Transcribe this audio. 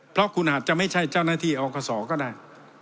เพราะคุณอาจจะไม่ใช่เจ้าหน้าที่อคศก็ได้